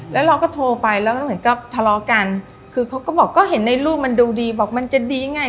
แล้วเราก็โทรไปแล้วก็เหมือนกับทะเลาะกันคือเขาก็บอกก็เห็นในรูปมันดูดีบอกมันจะดียังไง